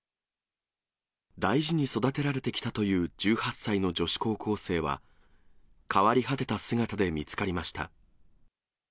大事に育てられてきたという１８歳の女子高校生は、変わり果てた姿で見つかりました。